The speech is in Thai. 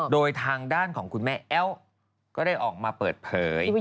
โดยทางด้านของคุณแม่แอ้วก็ได้ออกมาเปิดเผย